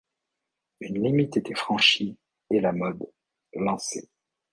Une limite était franchie et la mode, lancée.